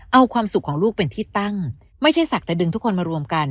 เอาความสุขของลูกเป็นที่ตั้งไม่ใช่ศักดิ์แต่ดึงทุกคนมารวมกัน